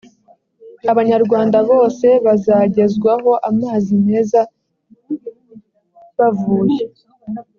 abanyarwanda bose bazagezwaho amazi meza bavuye.